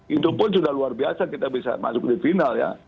itu pun sudah luar biasa kita bisa masuk di final ya